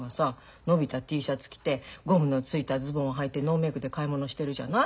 のびたＴシャツ着てゴムのついたズボンはいてノーメークで買い物してるじゃない？